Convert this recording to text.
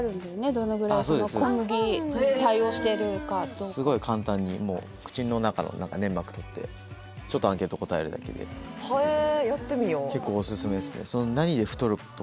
どのぐらい小麦対応してるかすごい簡単にもう口の中の粘膜とってちょっとアンケート答えるだけでへえやってみよう結構おすすめですね